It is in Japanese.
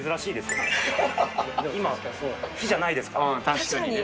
確かにね。